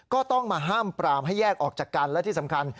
ก็ต้องมาห้ามปรามให้แยกออกจากกันและที่สำคัญ